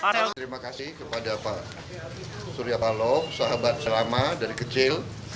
terima kasih kepada pak suriapaloh sahabat selama dari kecil